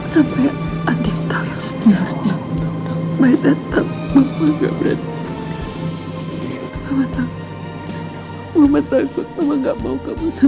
sampai andi tahu yang sebenarnya